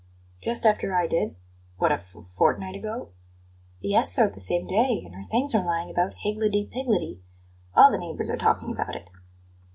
"Just after I did? What, a f fortnight ago?" "Yes, sir, the same day; and her things are lying about higgledy piggledy. All the neighbours are talking about it."